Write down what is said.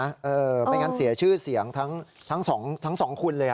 ไม่งั้นเสียชื่อเสียงทั้งสองคนเลย